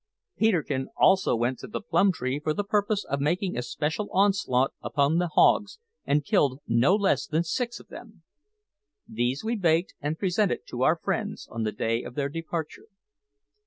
Peterkin also went to the plum tree for the purpose of making a special onslaught upon the hogs, and killed no less than six of them. These we baked and presented to our friends, on the day of their departure.